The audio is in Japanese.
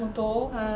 うん。